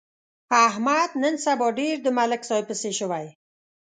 احمد نن سبا ډېر د ملک صاحب پسې شوی.